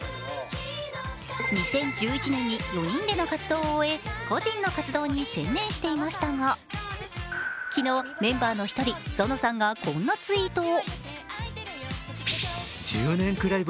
２０１１年に４人での活動を終え、個人の活動に専念していましたが昨日、メンバーの１人、ぞのさんがこんなツイートを。